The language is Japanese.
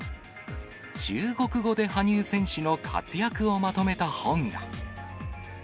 中国語で羽生選手の活躍をまとめた本が。